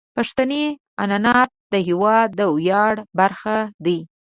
پښتني عنعنات د هیواد د ویاړ برخه دي.